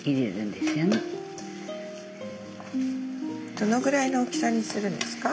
どのぐらいの大きさにするんですか？